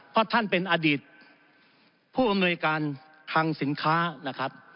เพราะท่านเป็นอดีตผู้อำนวยการคลังสินค้านะครับ